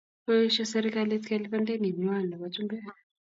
Koesho serikalit kelipan denit nywan nebo chumbek